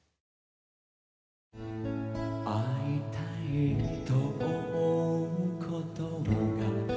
「逢いたいと思うことが」